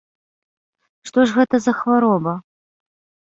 Што ж гэта за хвароба?